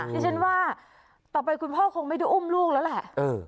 ดิฉันว่าต่อไปคุณพ่อคงไม่ได้อุ้มลูกแล้วแหละ